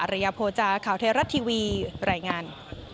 อริยโภจารย์ข่าวเทราชทีวีแรงงาน